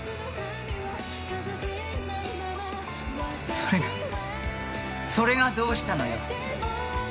それがそれがどうしたのよ。